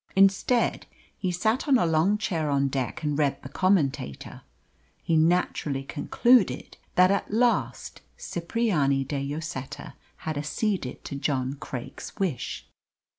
Instead, he sat on a long chair on deck and read the Commentator. He naturally concluded that at last Cipriani de Lloseta had acceded to John Craik's wish.